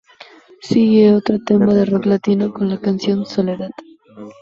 Sigue otro tema de rock latino, con la canción "Soledad".